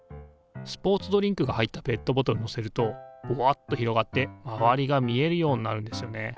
スポーツドリンクが入ったペットボトルのせるとボワッと広がって周りが見えるようになるんですよね。